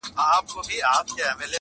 تسلیم کړي یې خانان او جنرالان وه،